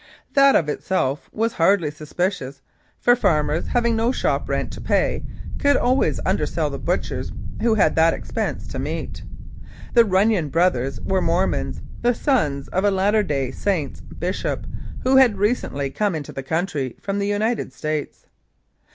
That of itself was hardly suspicious, for farmers, having no shop rent to pay, could always undersell the butchers who had that expense to meet. The Runnion Brothers were Mormons, the sons of a Latter Day Saints bishop, who had recently come into the country from the United States.